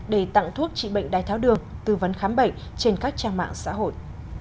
để tặng thuốc trị bệnh đai tháo đường tư vấn khám bệnh trên các trang mạng xã hội